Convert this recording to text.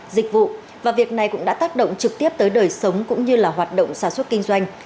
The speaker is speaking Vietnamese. dịch vụ và việc này cũng đã tác động trực tiếp tới đời sống cũng như là hoạt động sản xuất kinh doanh